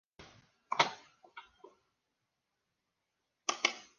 Secundando el mismo aspecto se encuentra Luigi da Porto.